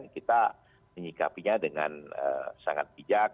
kita menyikapinya dengan sangat bijak